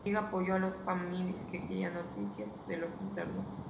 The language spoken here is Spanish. La Liga apoyó a las familias que querían noticias de los internos.